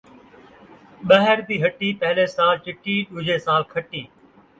ٻہر دی ہٹی پہلے سال چٹی ݙوجھے سال کھٹی